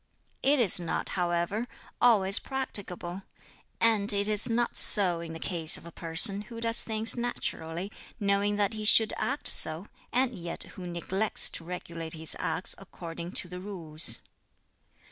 "It is not, however, always practicable; and it is not so in the case of a person who does things naturally, knowing that he should act so, and yet who neglects to regulate his acts according to the Rules.